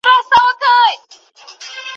څومره ترخه مي وه ګڼلې، څه آسانه سوله